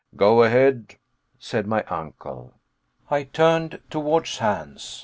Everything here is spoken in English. "Go ahead," said my uncle. I turned towards Hans.